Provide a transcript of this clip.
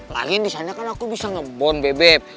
lagian disana kan aku bisa ngebond bebep